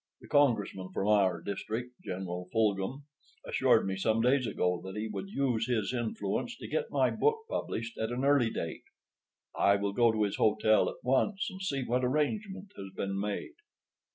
The congressman from our district, General Fulghum, assured me some days ago that he would use his influence to get my book published at an early date. I will go to his hotel at once and see what arrangement has been made."